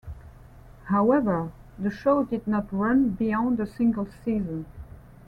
However, the show did not run beyond a single season.